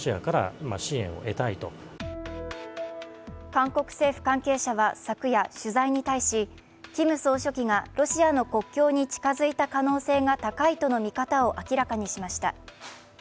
韓国政府関係者は昨夜、取材に対しキム総書記がロシアの国境に近づいた可能性が高いとの見方を明らかにしました。